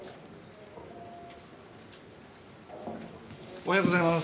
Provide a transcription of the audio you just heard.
おはようございます。